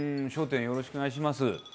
よろしくお願いします。